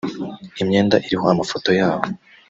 imyenda iriho amafoto yabo